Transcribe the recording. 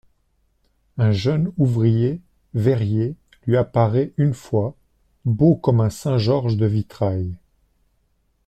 Un jeune ouvrier verrier lui apparaît une fois, beau comme un saint Georges de vitrail.